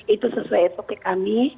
itu sesuai sop kami